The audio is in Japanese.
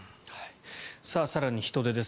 更に人出です。